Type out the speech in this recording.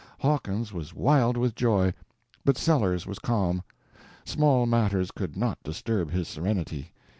Hawkins was wild with joy, but Sellers was calm. Small matters could not disturb his serenity.